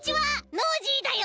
ノージーだよ！